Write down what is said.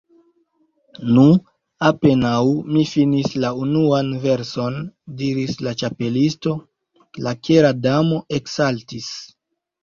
"Nu, apenaŭ mi finis la unuan verson," diris la Ĉapelisto, "la Kera Damo eksaltis. »